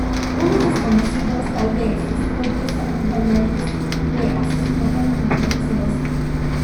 Unos desconocidos, tal vez sus propios acompañantes, le asesinaron en ese bosque.